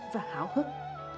và hào hức